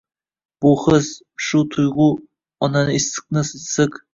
Bu his, shu tuyg'u onani issiqni-issiq